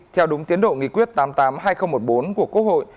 theo đúng tiến độ nghị quyết tám mươi tám hai nghìn một mươi bốn của quốc hội